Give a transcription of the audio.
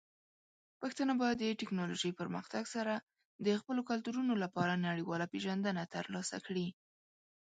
پښتانه به د ټیکنالوجۍ پرمختګ سره د خپلو کلتورونو لپاره نړیواله پیژندنه ترلاسه کړي.